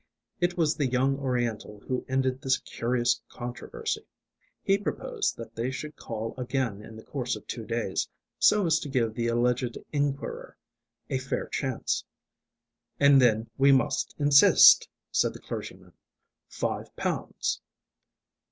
It was the young Oriental who ended this curious controversy. He proposed that they should call again in the course of two days so as to give the alleged enquirer a fair chance. "And then we must insist," said the clergyman, "Five pounds."